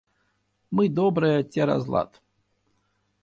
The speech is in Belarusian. Мы добрыя цераз лад.